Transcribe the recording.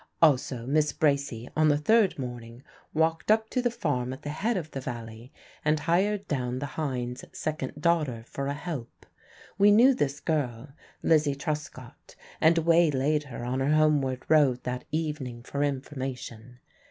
Also, Miss Bracy on the third morning walked up to the farm at the head of the valley and hired down the hind's second daughter for a "help." We knew this girl, Lizzie Truscott, and waylaid her on her homeward road that evening for information.